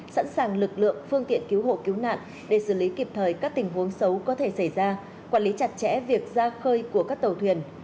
sẵn sàng lực lượng phương tiện cứu hộ cứu nạn để xử lý kịp thời các tình huống xấu có thể xảy ra quản lý chặt chẽ việc ra khơi của các tàu thuyền